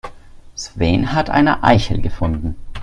Sven hat eine Eichel gefunden.